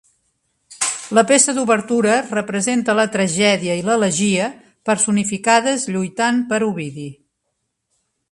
La peça d'obertura representa la Tragèdia i l'Elegia personificades lluitant per Ovidi.